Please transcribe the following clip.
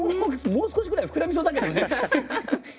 もう少しぐらい膨らみそうだけどもね。